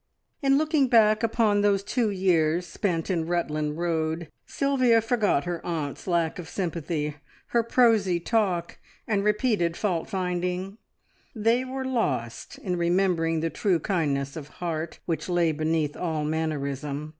In looking back upon those two years spent in Rutland Road, Sylvia forgot her aunt's lack of sympathy, her prosy talk, and repeated fault finding; they were lost in remembering the true kindness of heart which lay beneath all mannerism.